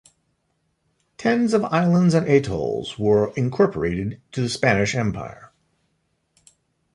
Tens of islands and atolls were incorporated to the Spanish Empire.